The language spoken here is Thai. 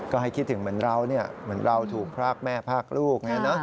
ก็ให้คิดถึงเหมือนเราถูกพลากแม่พลากลูก